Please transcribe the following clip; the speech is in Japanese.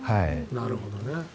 なるほどね。